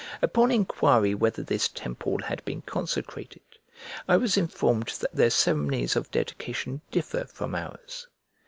Upon enquiry whether this temple had been consecrated, I was informed that their ceremonies of dedication differ from ours.